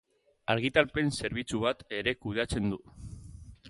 Argitalpen-zerbitzu bat ere kudeatzen du.